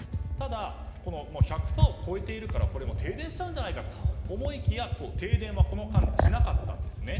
ただ、１００％を超えているから停電しちゃうんじゃないかと思いきや、しなかったんです。